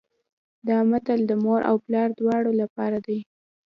دا متل د مور او پلار دواړو لپاره دی